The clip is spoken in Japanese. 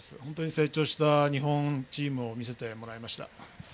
成長した日本チームを見せてもらいました。